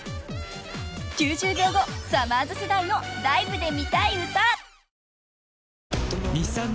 ［９０秒後さまぁず世代のライブで見たい歌］